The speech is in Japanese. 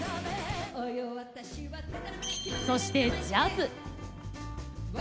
そしてジャズ。